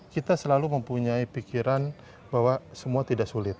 kita selalu mempunyai pikiran bahwa semua tidak sulit